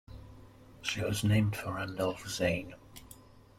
She was named for Randolph Zane.